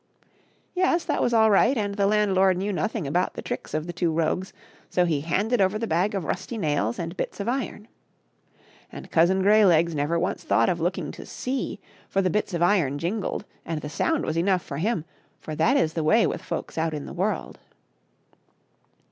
Yes, that was all right, and the landlord knew nothing about the txicks of the two rogues, so he handed over the bag of rusty nails and bits of iron. And Cousin Greylegs never once thought of looking to see, for the bits of iron jingled, and the sound was enough for him, for that is the way with folks out in the world.